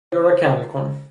رادیو را کم کن!